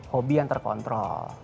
hobi yang terkontrol